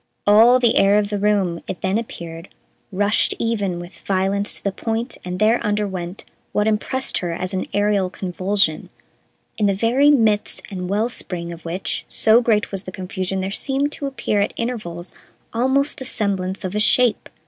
All the air of the room, it then appeared, rushed even with violence to the point and there underwent what impressed her as an aerial convulsion, in the very midst and well spring of which, so great was the confusion, there seemed to appear at intervals almost the semblance of a shape.